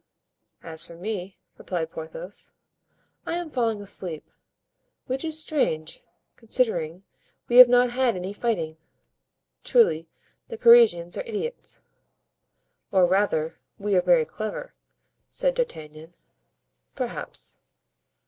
"As for me," replied Porthos, "I am falling asleep, which is strange, considering we have not had any fighting; truly the Parisians are idiots." "Or rather, we are very clever," said D'Artagnan. "Perhaps."